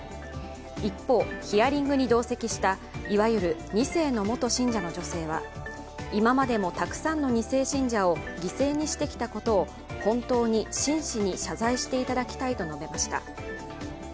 一方、ヒアリングに同席したいわゆる２世の元信者の女性は今までもたくさんの２世信者を犠牲にしてきたことを本当にしんしに謝罪していただきたいと述べました。